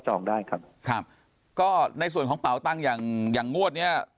ใช่ครับก็ในส่วนของเปล่าตั้งอย่างงวดเนี่ย